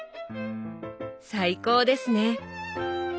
最高ですね！